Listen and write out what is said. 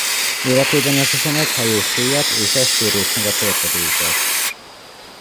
Életében összesen egy hajó süllyedt és egy sérült meg a torpedóitól.